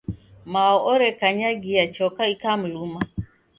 Mao orekanyangia choka ikamluma.